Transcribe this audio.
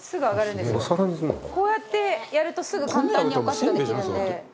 こうやってやるとすぐ簡単にお菓子ができるんで。